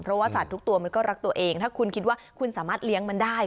เพราะว่าสัตว์ทุกตัวมันก็รักตัวเองถ้าคุณคิดว่าคุณสามารถเลี้ยงมันได้